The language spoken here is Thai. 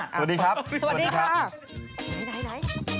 สวัสดีครับสวัสดีครับสวัสดีครับสวัสดีค่ะ